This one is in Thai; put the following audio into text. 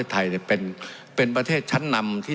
สวัสดีสวัสดีสวัสดี